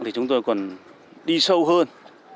thì chúng tôi còn đi sâu hơn